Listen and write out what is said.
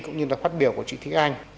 cũng như là phát biểu của chị thích anh